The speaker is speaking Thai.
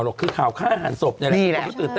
ก็คือข่าวข้าวข้าวอาหารศพ